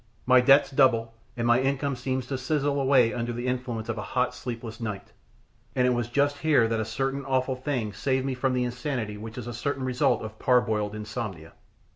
My debts double, and my income seems to sizzle away under the influence of a hot, sleepless night; and it was just here that a certain awful thing saved me from the insanity which is a certain result of parboiled insomnia.